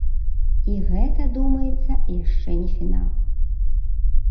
І гэта, думаецца, яшчэ не фінал.